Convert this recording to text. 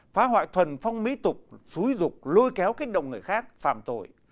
phá hoại thuần phong mỹ tục xúi dục lôi kéo kích động người khác phạm tội